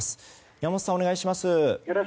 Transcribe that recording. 山本さんお願いします。